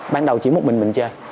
ban đầu chỉ một mình mình chơi